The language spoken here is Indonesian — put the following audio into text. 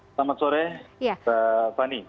selamat sore fani